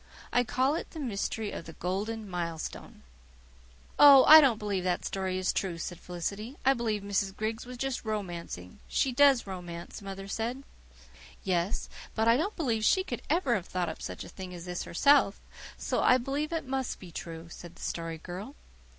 I call it 'The Mystery of the Golden Milestone.'" "Oh, I don't believe that story is true," said Felicity. "I believe Mrs. Griggs was just romancing. She DOES romance, mother says." "Yes; but I don't believe she could ever have thought of such a thing as this herself, so I believe it must be true," said the Story Girl.